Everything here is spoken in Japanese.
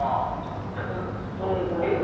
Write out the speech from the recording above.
お客さんでって事？